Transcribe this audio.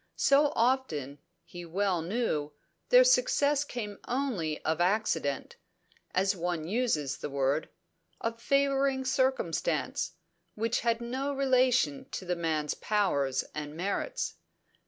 So often, he well knew, their success came only of accident as one uses the word: of favouring circumstance, which had no relation to the man's powers and merits.